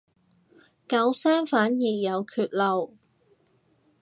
九聲反而有缺漏